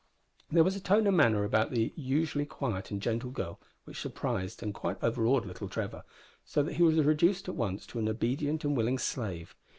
There was a tone and manner about the usually quiet and gentle girl which surprised and quite overawed little Trevor, so that he was reduced at once to an obedient and willing slave.